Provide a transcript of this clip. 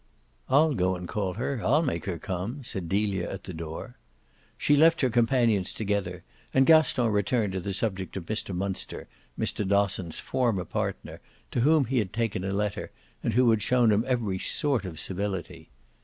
"I'll go and call her I'll make her come," said Delia at the door. She left her companions together and Gaston returned to the subject of Mr. Munster, Mr. Dosson's former partner, to whom he had taken a letter and who had shown him every sort of civility.